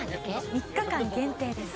３日間限定です